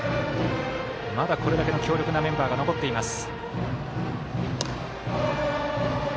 まだこれだけの強力なメンバーが残っています。